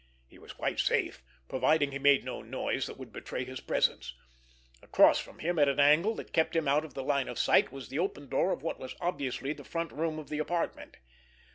He was quite safe, providing he made no noise that would betray his presence. Across from him, at an angle that kept him out of the line of light, was the open door of what was obviously the front room of the apartment.